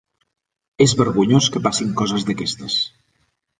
És vergonyós que passin coses d'aquestes.